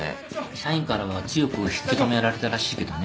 社員からは強く引き留められたらしいけどね。